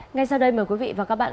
ngay sau đây mời quý vị và các bạn